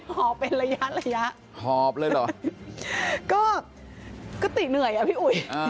หอบเป็นระยะระยะหอบเลยเหรอก็กติเหนื่อยอ่ะพี่อุ๋ย